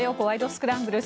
スクランブル」。